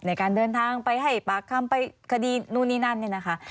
ในการเดินทางไปให้ปากคำไปคดีนู่นนี่นั่นนี่นะคะ